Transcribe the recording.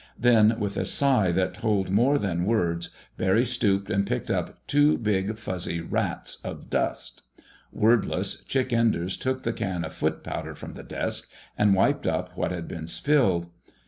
Then, with a sigh that told more than words, Barry stooped and picked up two big, fuzzy "rats" of dust. Wordless, Chick Enders took the can of foot powder from the desk and wiped up what had been spilled.